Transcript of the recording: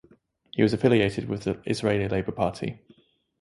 He was affiliated with the Israeli Labor Party.